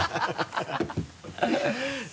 ハハハ